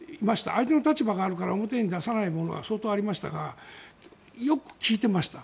相手の立場があるから表に出さないものは相当ありましたがよく聞いてました。